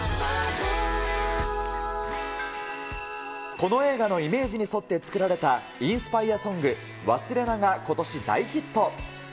この映画のイメージに沿って作られたインスパイアソング、勿忘が、ことし大ヒット。